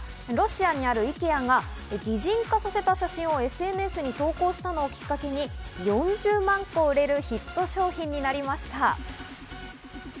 ロシアにあるＩＫＥＡが擬人化させた写真をＳＮＳに投稿したのをきっかけに４０万個売れるヒット商品になりました。